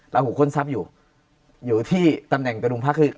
หูค้นทรัพย์อยู่อยู่ที่ตำแหน่งกระดุงพระคือ